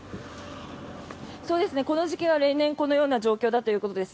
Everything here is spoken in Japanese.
この時期は、例年このような状況だということです。